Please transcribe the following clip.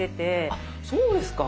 あそうですか。